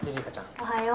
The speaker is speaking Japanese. おはよう。